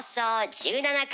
１７回？